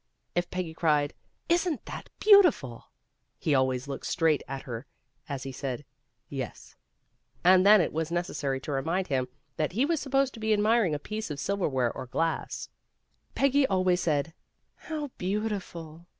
If Peggy cried ''Isn't that beautiful?" he always looked straight at her as he said "yes," and then it was necessary to remind him that he was supposed to be admiring a piece of silverware or glass. Peggy always said, "How beautiful!"